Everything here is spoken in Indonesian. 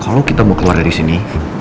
kalau kita mau keluar dari sini